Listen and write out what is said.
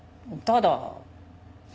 ただ？